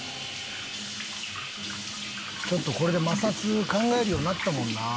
「ちょっとこれで摩擦考えるようになったもんな」